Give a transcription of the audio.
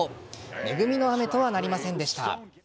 恵みの雨とはなりませんでした。